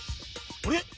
あれ？